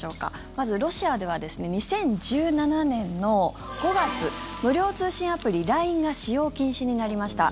まず、ロシアでは２０１７年の５月無料通信アプリＬＩＮＥが使用禁止になりました。